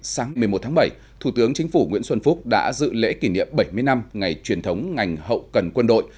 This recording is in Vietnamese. sáng một mươi một tháng bảy thủ tướng chính phủ nguyễn xuân phúc đã dự lễ kỷ niệm bảy mươi năm ngày truyền thống ngành hậu cần quân đội